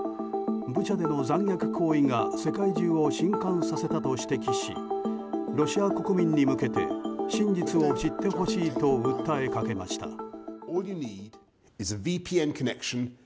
ブチャでの残虐行為が世界中を震撼させたと指摘しロシア国民に向けて真実を知ってほしいと訴えかけました。